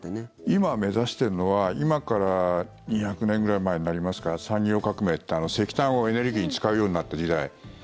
今、目指してるのは今から２００年ぐらい前になりますか産業革命って石炭をエネルギーに使うようになった時代。